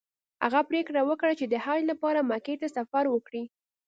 هغه پریکړه وکړه چې د حج لپاره مکې ته سفر وکړي.